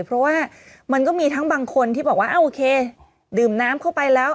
เพราะว่ามันก็มีทั้งบางคนที่บอกว่าโอเคดื่มน้ำเข้าไปแล้ว